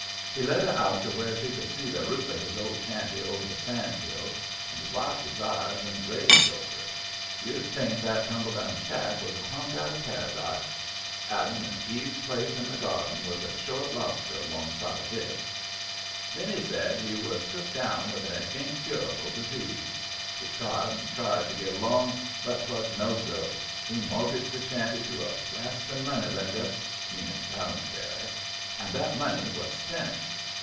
He led her out to where she could see the roof of his old shanty over the sand hills, and he wiped his eyes and raved over it. You'd think that tumble down shack was a hunk out of paradise; Adam and Eve's place in the Garden was a short lobster 'longside of it. Then, he said, he was took down with an incurable disease. He tried and tried to get along, but 'twas no go. He mortgaged the shanty to a grasping money lender meanin' Poundberry and that money was spent.